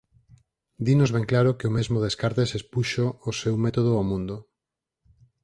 Dinos ben claro que o mesmo Descartes expuxo o seu método ó mundo.